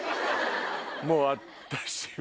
もう私。